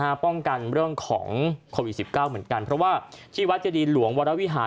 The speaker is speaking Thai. การป้องกันเรื่องของกรอบ๑๙เพื่อว่าที่วัดชครีมอินหลวงวรุวิหา